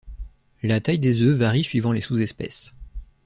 La taille des œufs varie suivant les sous-espèces.